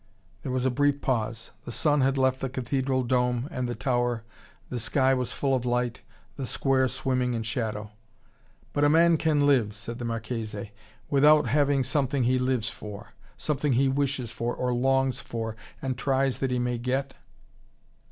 There was a brief pause. The sun had left the cathedral dome and the tower, the sky was full of light, the square swimming in shadow. "But can a man live," said the Marchese, "without having something he lives for: something he wishes for, or longs for, and tries that he may get?"